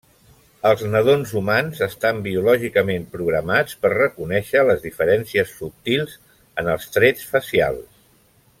Els nadons humans estan biològicament programats per reconèixer les diferències subtils en els trets facials.